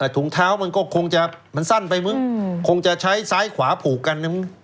ถุงเท้ามันสั้นไปมึงมันคงจะใช้ซ้ายขวาผูกกัน